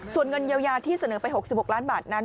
ส่วนเงินเยียวยาที่เสนอไป๖๖ล้านบาทนั้น